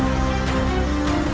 aku akan menangkapmu